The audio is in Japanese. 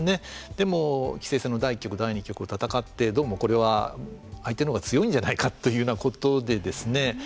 でも、棋聖戦の第１局第２局を戦って戦ってどうもこれは相手のほうが強いんじゃないかというようなことでですね